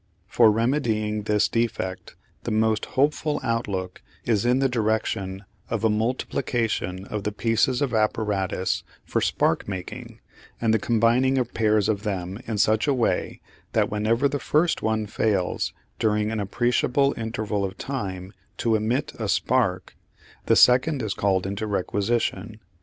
For remedying this defect the most hopeful outlook is in the direction of a multiplication of the pieces of apparatus for spark making and the combining of pairs of them in such a way that, whenever the first one fails during an appreciable interval of time to emit a spark, the second is called into requisition.